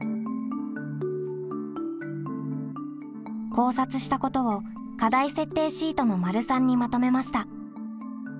考察したことを課題設定シートの③にまとめました。